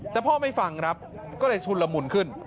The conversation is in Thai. แต่พ่อไม่ฟังครับก็เลยชุนละมุนขึ้น